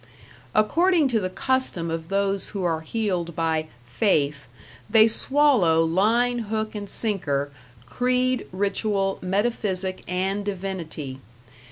According to the custom of those who are healed by "faith", they swallow line, hook, and sinker, creed, ritual, metaphysic and divinity.